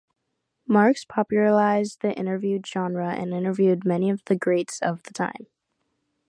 Marx popularized the interview genre and interviewed many of the greats of the time.